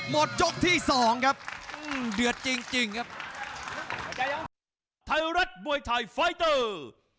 รับทราบบรรดาศักดิ์